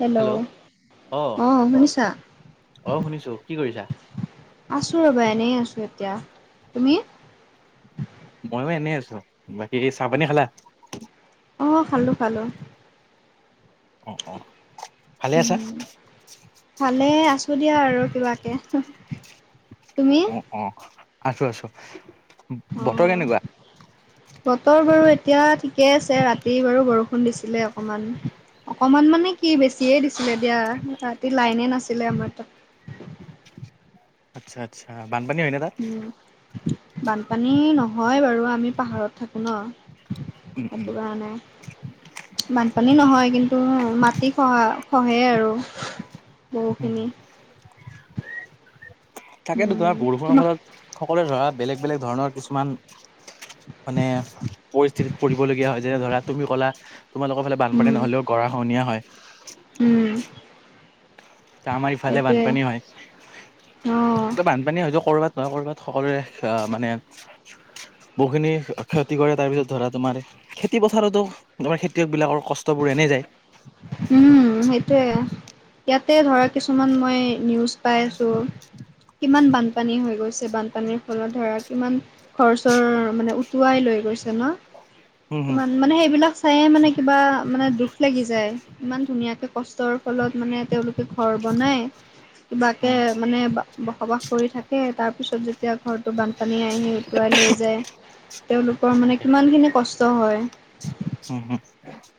Hello অ অঁ শুনিছা? অ শুনিছো কি কৰিছা আছো ৰবা এনেই আছো এতিয়া, তুমি? মইয়ো এনে আছোঁ, বাকী চাহ-পানী খালা? অঁ খালোঁ খালোঁ। ভালে আছা? ভালে আছো দিয়া আৰু কিবাকে, তুমি? অঁ, আছোঁ আছোঁ। অ বতৰ কেনেকুৱা? বতৰ বাৰু এতিয়া ঠিকে আছে, ৰাতি বাৰু বৰষুণ দিছিলে অকমান। অকমান মানে কি বেছিয়ে দিছিলে দিয়া, ৰাতি লাইনে নাছিলে আমাৰ তাত। আচ্ছা আচ্ছা, বানপানী হয় ন তাত? উম বানপানী নহয় বাৰু, আমি পাহাৰত থাকো ন। উম উম সেটো কাৱণে, বানপানী নহয় কিন্তু মাটি খহা সহে আৰু উম বহুখিনি তাকেতো উম তমাৰ বৰষুণৰ তোমাক ফলত সকলোৱ ধৰা বেলেগ বেলেগ ধৰণৰ কিছুমান মানে পৰিস্থিতিত পৰিবলগীয়া হয় যেনে ধৰা- তুমি ক'লা তোমালোকৰ ফালে বানপানী উম নহ'লেও গৰা সহনীয়া হয় উম' ত আমাৰ ইফালে সেইটোৱে বানপানী হয় অ', ত বানপানী হয়তো কৰবাত নহয় কৰবাত সকলোৰে মানে বহুখিনি ক্ষতি কৰে তাৰ পিছত ধৰা তোমাৰ খেতি পথাৰতো তমাৰ খেতিয়ক বিলাকৰ কষ্টবোৰ এনে যায়। উমঁ সেইটোয়ে, ইয়াতে ধৰা কিছুমান মই নিউজ পাই আছোঁ। কিমান বানপানী হৈ গৈছে, বানপানীৰ ফলত ধৰা কিমান ঘৰ-চৰ মানে উটুৱাই লৈ গৈছে ন‌? উম, হুম, ইমান, মানু সেইবিলাক চাইয়ে মানে কিবা মানে দুখ লাগি যায়, ইমান ধুনীয়াকে কষ্টৰ ফলত মানে তেওঁলোকে ঘৰ বনায়- কিবাকে উম, মানে বা বসবাস কৰি থাকে তাৰপিছত যেতিয়া ঘৰটো বানপানী আহি উতুৱাই লৈ যায় তেওঁলোকৰ মানে তাকে কিমান খিনি কষ্ট হয়। উম হুম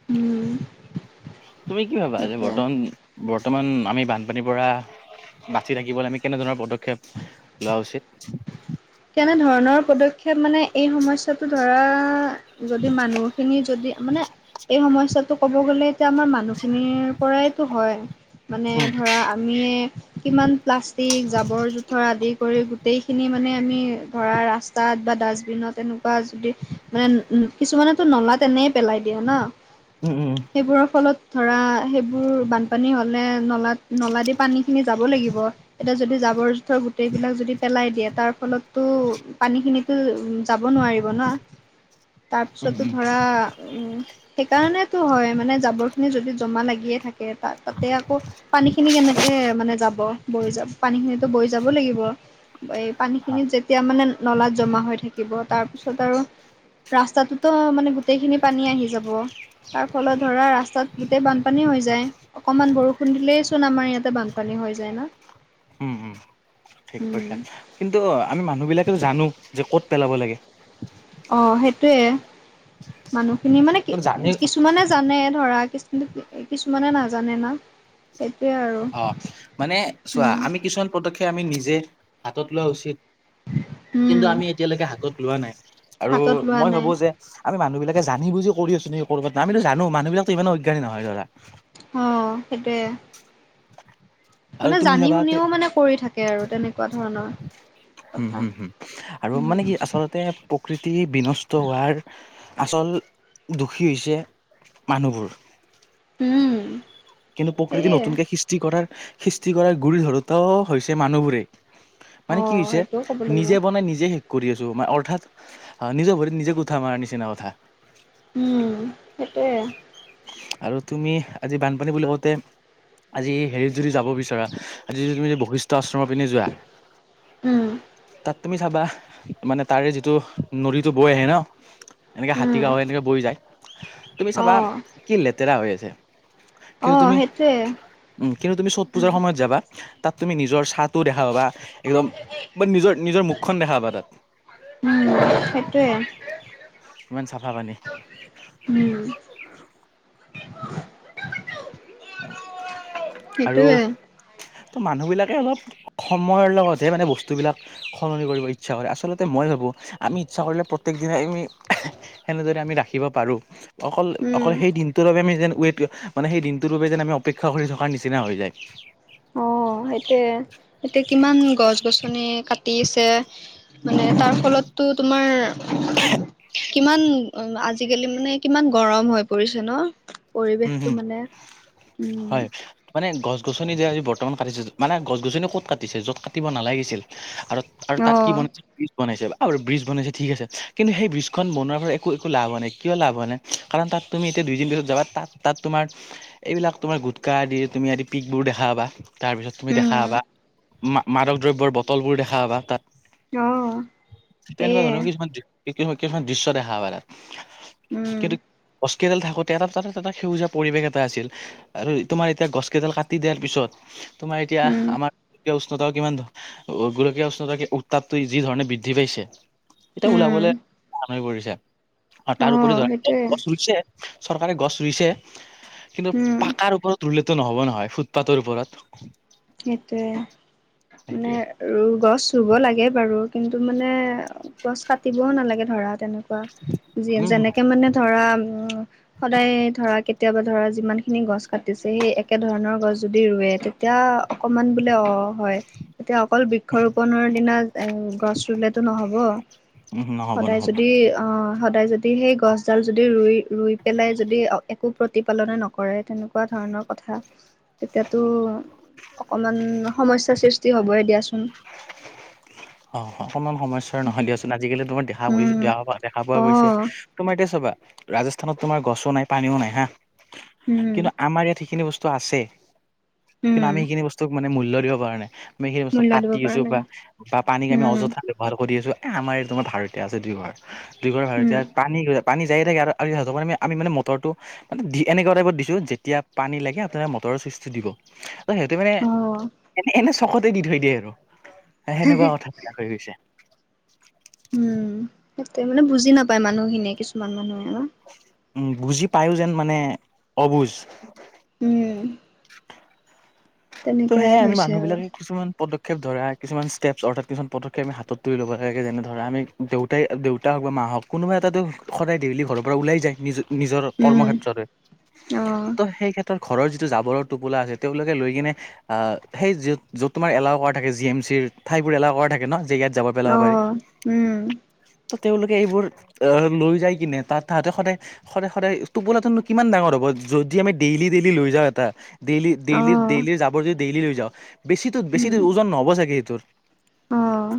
উম' তুমি কি ভাবা যে সেইটোৱে। বৰ্তমান বৰ্তমান আমি বানপানীৰ পৰা বাচি থাকিবলে আমি কেনে ধৰণৰ পদক্ষেপ লৱা উচিত? তেনে ধৰণৰ পদক্ষেপ মানে এই সমস্যটো ধৰা যদি মানুহ খিনি যদি মানে এই সময়ছোৱাত তো ক'ব গ'লে এতিয়া আমাৰ মানুহখিনিৰ পৰাইতো হয়, মানে উম, ধৰা আমিয়ে কিমান প্লাষ্টিক, জাবৰ-জোথৰ আদি কৰি গোটেইখিনি মানে মি ধৰা ৰাস্তাত বা ডাষ্টবিনত এনেকুৱা যদি, মানে কিছুমানততু নলাত এনে পেলাই দিয় ন। উম উম উম। সেইবোৰৰ ফলত ধৰা সেইবোৰ বানপানী হ'লে নলাত-নলা'দি পানীখিনি যাব লাগিব এতিয়া যদি জাবৰ-জোথৰ গোটেই বিলাক যদি পেলাই দিয়ে তাৰ ফলত তু পানী খিনিতু যাব নোৱাৰিব ন, উম, তাৰপিছতো উম, ধৰা সেইকাৰণেতো হয়, মানে জাবৰ খিনি যদি জমা লাগিয়ে থাকে, তাতে আকৌ পানীখিনি কেনেকে মানে যাব, বৈ যা পানীখিনিতো বৈ যাব লাগিব, এই হা, খিনিত যেতিয়া মানে নলাত জমা হৈ থাকিব তাৰপিছত আৰু ৰাস্তাটোতো মানে গোটেইখিনি পানী আহি যাব। তাৰ ফলত ধৰা ৰাস্তাত গোটেই বানপানী হৈ যায়। অকমান বৰষুণ দিলেই চোন আমাৰ ইয়াতে বানপানী হৈ যায় না। উম, উম, ঠিক কৈছা কিন্তু আমি মানুহবিলাকেও জানো যে ক'ত পেলাব লাগে। অ' সেইটোয়ে। মানুহখিনি মানে কি কিন্তু জানি কিছুমানে জানে ধৰা কি-কিছুমানে নাজানে না। সেইটোয়ে আৰু। অ' মানে চোৱা উম। আমি কিছুমান পদক্ষেপ আমি নিজে হাতত লোৱা উচিত উম, কিন্তু আমি এতিয়ালৈকে হাতত লোৱা নাই আৰু হাতত লোৱা মই নাই ভাবোঁ যে আমি মানুহবিলাকে জানি বুজি কৰি আছোঁ নেকি ক'বাত, নি আমিতো জানো মানুহবিলাকতো ইমানো অজ্ঞানী নহয় ধৰা। অ' সেইটোয়ে। আৰু মানে তুমি জানি চাবা শুনিও মানে কৰি থাকে আৰু তেনেকুৱা ধৰণৰ। হুম, কথা। হুম, হুম, আৰু মানে উম, কি আচলতে প্ৰকৃতি বিনষ্ট হোৱাৰ আচল দুখী হৈছে মানুহবোৰ। উম। কিন্তু প্ৰকৃতি সেয়ে নতুনকে সৃষ্টি কৰাৰ সৃষ্টি কৰাৰ গুৰি ধৰোতাও হৈছে মানুহবোৰেই। মানে কি অ' হৈছে সেইটোও ক'ব লাগিব নিজে বনাই নিজে শেষ কৰি আছোঁ অৰ্থাৎ নিজৰ ভৰিত নিজে কুঠাৰ মাৰাৰ নিচিনা কথা। উম, সেইটোয়ে। আৰু তুমি আজি বান পানী বুলি কওঁতে আজি হেৰিত যদি যাব বিচৰা, আজি যদি তুমি বশিষ্ট ত' আশ্ৰমৰ পিনে যোৱা উম, তাত তুমি চাবা মানে তাৰে যিটো নদীটো বৈ আহে ন এনেকে হাতী উম, গাওঁ হৈ এনেকে বৈ যায়। তুমি চাবা অ', কি লেতেৰা হৈ আছে। কিন্তু অ', তুমি সেইটোৱে। উম, কিন্তু তুমি চট পূজাৰ সময়ত যাবা তাত তুমি নিজৰ চাহটো দেখা পাবা। একদম বা নিজৰ নিজৰ মুখখন দেখা পাবা তাত। উম, সেইটোৱে, ইমান চাফা পানী। উম। আৰু সেইটোৱে, ত' মানুহবিলাকে অলপ সময়ৰ লগতহে মানে বস্তুবিলাক সলনি কৰিব ইচ্ছা কৰে, আচলতে মই ভাবোঁ আমি ইচ্ছা কৰিলে প্ৰত্যেক দিনাই আমি সেনেদৰে আমি ৰাখিব পাৰোঁ, অকল উম। অকল সেই দিনটোৰ বাবে আমি যেন ৱেট মানে সেই দিন টোৰ বাবে যেন আমি অপেক্ষা কৰি থকাৰ নিচিনা হৈ যায়। অ' সেইটোৱে, এতিয়া কিমান গছ গছনি কাটি আছে। মানে তাৰ ফলততো তোমাৰ কিমান আজিকালি মানে কিমান গৰম হৈ পৰিছে ন'? উম, হম। পৰিৱেশটো মানে, উম। হয় মানে গছ গছনি যে আজি বৰ্তমান কাটিছে, মানে গছ গছনি ক'ত কাটিছে য'ত কাটিব নালাগিছিল আৰু আৰু তাত কি অ', বনাই বীজ বনাইছে বা বীজ বনাইছে ঠিক আছে কিন্তু সেই ব্ৰীজখন বনোৱাৰপৰা একো একো লাভ হোৱা নাই কিয় লাভ হোৱা নাই কাৰণ তাত তুমি এতিয়া দুইদিন পিছত যাবা তাত তাত তোমাৰ এইবিলাক তোমাৰ গুটখা আদি তুমি আদি পিকবোৰ দেখা পাবা। তাৰপিছত তুমি দেখা উম, পাবা মা-মাদক দ্ৰব্যৰ বটলবোৰ দেখা পাবা তাত। অ', তেনেকুৱা সেয়ে, ধৰণৰ কিছুমান [unintelligible] কিছুমান দৃশ্য দেখা পায় তাত। উম, কিন্তু গছকেইডাল থাকোতে এটা তাত এটা সেউজীয়া পৰিৱেশ এটা আছিল, আৰু তোমাৰ এতিয়া গছ কেইডাল কাটি দিয়াৰ পিছত তোমাৰ এতিয়া উম, আমাৰ [unintelligible] উষ্ণতা কিমান গোলকীয় উষ্ণতা উত্তাপটো যি ধৰণে বৃদ্ধি পাইছে এতিয়া উম, ওলাবলে টান হৈ পৰিছে, আৰু তাৰ উপৰি অ', ধৰা সেইটোৱে, গছ ৰুইছে চৰকাৰে গছ ৰুইছে, কিন্তু উম, পাকাৰ ওপৰত ৰুলে টো নহ'ব নহয় ফুটপাথৰ ওপৰত। সেইটোৱে মানে সেইটোৱে আৰু গছ ৰুব লাগে বাৰু, কিন্তু মানে গছ কাটিবও নালাগে ধৰা তেনে কোৱা যি উম হম যেনেকে মানে ধৰা উম সদায় ধৰা কেতিয়াবা ধৰা যিমান খিনি গছ কাটিছে সেই একেধৰণৰ গছ যদি ৰুৱে তেতিয়া অকণমান বোলে অ হয় এতিয়া অকল বৃক্ষ ৰোপনৰ দিনা এ গছ ৰুলেতো নহব। উম নহ'ব নহ'ব। এই অ সদায় যদি সেই গছডাল যদি ৰুই ৰুই পেলাই যদি একো প্ৰতিপালনে নকৰে তেনেকুৱা ধৰণৰ কথা তেতিয়াতো অকমান সমস্যাৰ সৃষ্টি হবই দিয়াচোন। অ অকমান সমস্যাৰ নহয় দিয়াচোন আজিকালি তোমাৰ দেখা গৈছে উম, দেখা দেখা পোৱা গৈছে অ', তোমাৰ এতিয়া চাবা ৰাজস্থানত তোমাৰ গছো নাই পানীও নাই হা, কিন্তু উম, আমাৰ ইয়াত সেইখিনি বস্তু আছে, কিন্তু উম, আমি সেইখিনি বস্তুক মানে মূল্য দিব পৰা নাই। আমি সেই বস্তুক মূল্য দিব কাটি পৰা আছো নাই। বা পানীক আমি উম, অযথা ব্যৱহাৰ কৰি আছো, এ আমাৰ এ তোমাৰ ভাড়াতিয়া আছে দুইঘৰ, দুইঘৰ উম, ভাড়াতিয়াক পানী পানী যায় থাকে আৰু আৰু সিহঁতৰ কাৰণে আমি মানে মটৰটো মানে দি এনেকুৱা টাইপত দিছো যেতিয়া পানী লাগে আপোনালোকে মটৰৰ চুইচটো দিব। ত সিহঁতে মানে অ', এনে এনেই চকতে দি থৈ দিয়ে আৰু। সে সেনেকুৱা কথাবিলাক হৈ গৈছে। উম সেইটোৱে মানে বুজি নাপায় মানুহখিনিয়ে কিছুমান মানুহে ন। উম বুজি পায়ো যেন মানে অবুজ। উম। ত' তেনেকুৱাই সেয়াই আমি হৈছে আৰু মানুহবিলাকে কিছুমান পদক্ষেপ ধৰা কিছুমান ষ্টেপছ অৰ্থাৎ কিছুমান পদক্ষেপ আমি হাতত তুলি ল'ব লাগে যেনে ধৰা আমি দেউতাই দেউতা হওক বা মা হওক কোনোবা এটাতো সদায় ডেইলি ঘৰৰ পৰা ওলাই যায় নিজ নিজৰ কৰ্ম উম, ক্ষেত্ৰলৈ অ'। ত সেই ক্ষেত তাৰ ঘৰৰ যিটো জাবৰ টোপোলা আছে তেওঁলোকে লৈ কিনে আহ সেই য য'ত তোমাৰ এলাও কৰা থাকে জি এম চিৰ ঠাইবোৰ এলাও কৰা থাকে ন যে ইয়াত যাবৰ পেলাব পাৰি অ', উম, ত তেওঁলোকে এইবোৰ আহ লৈ যাই কিনে তাত তাহাঁতে সদায় সদায় সদায় টোপোলাটোনো কিমান ডাঙৰ হব, যদি আমি ডেইলি ডেইলি লৈ যাওঁ এটা। ডেইলি ডেইলি অ', ডেইলি জাব ডেইলী লৈ যাওঁ বেছিটো বেছি উম, ওজন নহব চাগে সেইটোৰ? অ',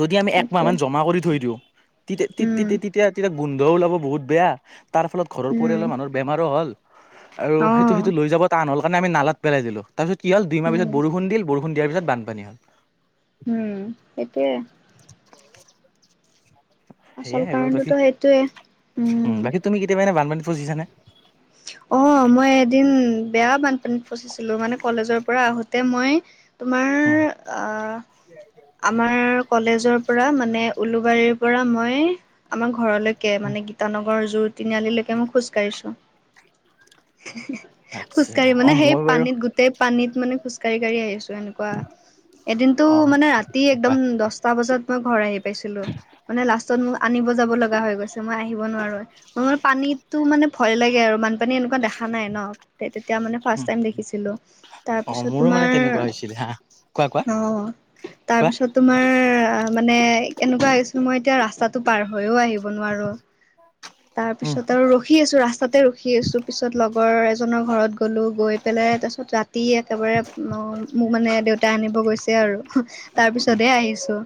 যদি আমি একমাহ সেইটোৱে। মান জমা কৰি থৈ দিওঁ তি তি তি টিত উম, তেতিয়া তেতিয়া গোন্ধ ওলাব বহুত বেয়া তাৰ ফলত ঘৰৰ উম, পৰিয়ালৰ মানুৰ বেমাৰো হ'ল। আৰু সেইটো অ', সেইটো লৈ যাব টান হল কাৰণে আমি নালাত পেলাই দিলো, তাৰ পিছত কি হল দুইমাহ পিছত উম, বৰষুণ দিল বৰো খুন দিয়াৰ পিছত বানপানী হল। উম, সেইটোৱে। আচল সেইয়াই আৰু বাকী কাৰণটোতো সেইটোৱে, ওঁ উম। বাকী তুমি কেতিয়াবা এনে বানপানীত ফছিচানে? অঁ, মই এদিন বেয়া বানপানীত ফচিছিলোঁ মানে, কলেজৰ পৰা আহোতে মই তোমাৰ আ আমাৰ কলেজৰ পৰা মানে, উলুবাৰীৰ পৰা মই আমাৰ ঘৰলৈকে মানে গীতানগ গৰ জোৰ তিনিআলিলৈকে মই খোজকাঢ়িছো। হিহ্ হিহ্। আচ্ছা খোজকাঢ়ি অ মানে সেই মই বাৰু পানীত গোটেই পানীত মানে খোজকাঢ়ি কাঢ়ি আহিছোঁ এনেকুৱা। এদিনটো অ মানে ৰাতি কোৱা একদম দশটা বজাত মই ঘৰ আহি পাইছিলোঁ। মানে লাষ্টত মোক আনিব যাব লগা হৈ গৈছে। মই আহিব নোৱাৰোঁৱে। মই মানে পানীতটো মানে ভয় লাগে আৰু বানপানী এনেকুৱা দেখা খা নাই ন' তে--তেতিয়া মান উম ফাৰ্ষ্ট টাইম দেখিছিলোঁ। অ তাৰপিছত মোৰো মানে তোমাৰ তেনেকুৱা হৈছিলে হা কোৱা কোৱা অঁ কোৱা তাৰপিছত তোমাৰ মানে এনেকুৱা হৈ গৈছিলোঁ মই এতিয়া ৰাস্তাটো পাৰ হৈও আহিব ব নোৱাৰোঁ উম তাৰপিছত আৰু ৰখি আছো, ৰাস্তাতে ৰখিআছো পিছত লগ্ গৰ এজনৰ ঘৰত গ'লো গৈ পেলাই তাৰপিছত ৰাতি একেবাৰে ন ' মোক মানে দেউ তাই আনিব গৈছে আৰু হোঁহ্ উম তাৰপিছতহে আহিছোঁ।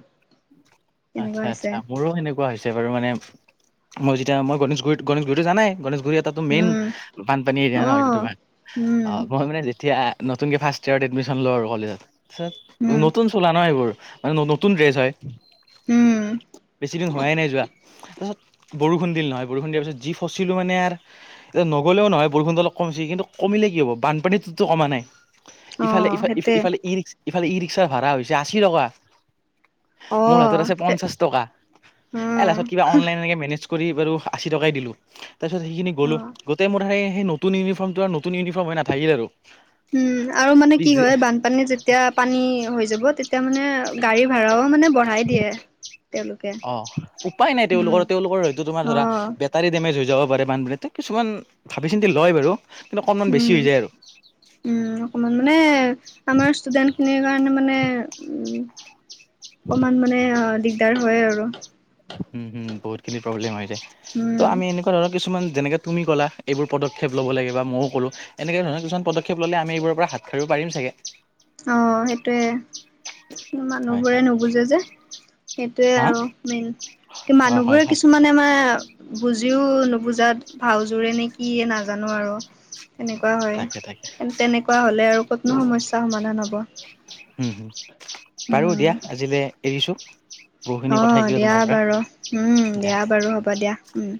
আচ্ছা, আচ্ছা। মোৰো সেনেকুৱা হৈছে বাৰু মানে মই যেতিয়া মই গণেশ গুৰিত গণেশ গুৰিটো জানাই? গণেশ তাতো মেইন উম বানপানী এৰিয়া অ ন' তোমাৰ। উম আ মই মানে যেতিয়া নতুনকে ফাৰ্ষ্ট ইয়েৰত এডমিশ্যন লও আৰু হলেওঁ। তাৰপিছত উম নতুন চোলা ন' এইবোৰ মানে ন' নতুন ড্ৰেছ হয়। উম বেছি দিন হোৱাই নাই যোৱা। তাৰপিছত বৰষুণ দিল নহয়, বৰষুণ দিয়াৰ পিছত যি ফচিলো মানে আৰু এতিয়া নগ'লেও নহয় বৰষুণটো অলপ কমিছে কিন্তু কমিলে কি হ'ব বানপানীটোতো কমা নাই। অ ইফালে ইফা ইফ্ সেইটোৱে ইফালে ই ৰিক্স ইফালে ই ৰিক্সাৰ ভাড়া হৈছে আশী টকা। অ মোৰ হাতত আছে পঞ্চাশ টকা। এ লাষ্টত উম কিবা অনলাইনকে মেনেজ কৰি বাৰু আশী টকাই দিলোঁ। তাৰপিছত সেইখিনি অ গলোঁ। গোটেই মোৰ হে সেই নতুন ইউনিফৰ্মটো আৰু নতুন ইউনিফৰ্ম হৈ নাথাকিলে আৰু। উম আৰু মানে কি পিছে হয়? বান পানী যেতিয়া পানী হৈ যাব তেতিয়া মানে গাড়ী ভড়াও মানে বঢ়াই দিয়ে তেওঁলোকে অঁ, উপায় নাই উম তেওঁলোকৰ, তেওঁলোকৰ এইটো তোমাৰ অ ধৰা পেট টাৰী ডেমেজ হৈ যাব পাৰে বানপীতে। কিছুমান ভাৱি চিন্তি লয় বাৰু কিন্তু অকণমান বেছি উম হৈ যায় আৰু। উম, অকমান মানে আমাৰ ষ্টুডেণ্টখিনিৰ কাৰণে মানে উম অকমান মানে আ দিগদাৰ হয় আৰু। উম, উম বহুত খিনি প্ৰব্লেম হৈ যায়। ত' উম। আমি এনেকুৱা ধৰণৰ কিছুমান যেনেকে তুমি ক'লা এইবোৰ পদক্ষেপ ল'ব লাগে বা মও ক'লোঁ। এনেকে ধৰণৰ কিছুমান পদক্ষেপ ল'লে আমি এইবোৰৰ পৰা হাত-হাৰিব পাৰিম চাগে। অঁ সেইটোৱে। হয় মানুহবোৰে হয় নুবুজে যে সেইটোৱে হা আৰু মেইন। কি অ হয় মানুহবোৰে হয় কিছুমান নে মানে বুজিও নুবুজাত ভাওজোৰে নে কিয়ে নাজানোঁ আৰু। তেনেকুৱা তাকে তাকে হয়। তেনেকুৱা হ'লে আৰু ক'তনো সমস্ উম, উম বাৰু উম, দিয়া আজিলে এৰিছোঁ। অঁ, দিয়া বাৰু। উম, দিয়া বাৰু হ'ব দিয়া, উম।